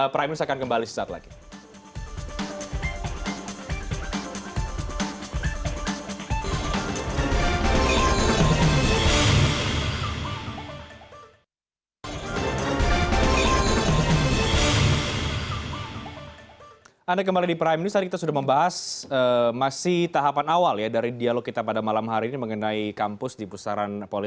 prime news akan kembali sesaat lagi